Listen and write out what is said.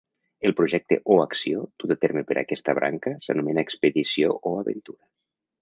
El projecte o acció dut a terme per aquesta branca s'anomena expedició o aventura.